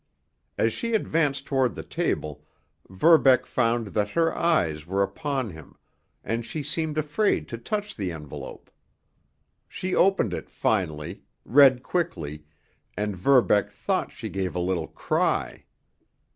As she advanced toward the table, Verbeck found that her eyes were upon him, and she seemed afraid to touch the envelope. She opened it finally, read quickly, and Verbeck thought she gave a little cry.